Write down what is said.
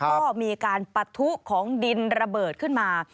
ก็มีการปะทุของดินระเบิดขึ้นมา